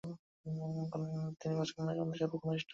তিনি পাঁচ কন্যার মধ্যে সর্বকনিষ্ঠ ছিলেন।